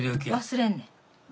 忘れんねん。